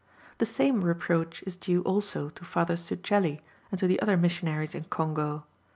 The same reproach is due also to Father Zucchelli and to the other Missionaries in Congo.